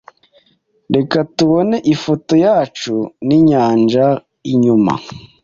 Reka tubone ifoto yacu ninyanja inyuma.